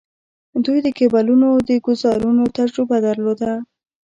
دوی د کیبلونو د ګوزارونو تجربه درلوده.